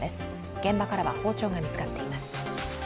現場からは包丁が見つかっています。